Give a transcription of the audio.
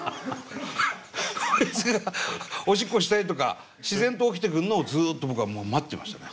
こいつがオシッコしたいとか自然と起きてくるのをずっと僕はもう待ってましたね。